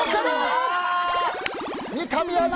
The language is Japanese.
三上アナ